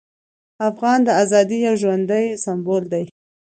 افغان د ازادۍ یو ژوندی سمبول دی.